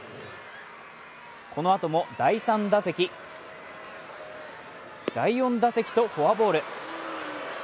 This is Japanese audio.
このあとも第３打席、第４打席とフォアボール。